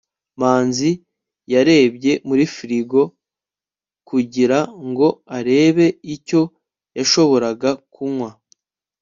manzi yarebye muri firigo kugira ngo arebe icyo yashoboraga kunywa